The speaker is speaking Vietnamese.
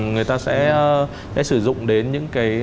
người ta sẽ sử dụng đến những cái